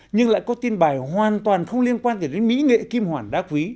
nhưng lại có tin bài hoàn toàn không liên quan đến mỹ nghệ kim hoàn đác quý